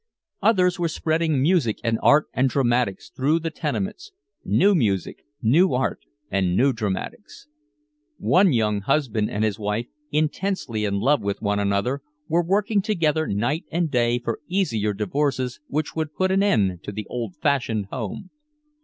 Others were spreading music and art and dramatics through the tenements new music, new art and new dramatics. One young husband and wife, intensely in love with one another, were working together night and day for easier divorces which would put an end to the old fashioned home.